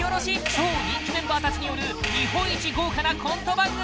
超人気メンバーたちによる日本一豪華なコント番組